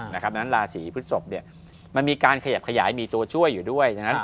ดังนั้นราศีพฤทธิ์ศพมันมีการขยับขยายมีตัวช่วยอยู่ด้วย